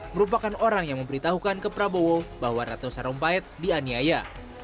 merupakan orang yang memberitahukan ke prabowo bahwa ratna sarumpait dianiaya